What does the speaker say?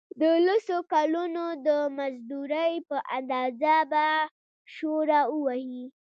د لسو کلونو د مزدورۍ په اندازه به شوړه ووهي.